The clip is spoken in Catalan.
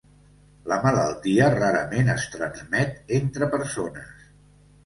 La malaltia rarament es transmet entre persones.